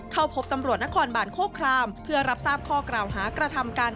เข้าพบตำรวจนครบานโคครามเพื่อรับทราบข้อกล่าวหากระทำการ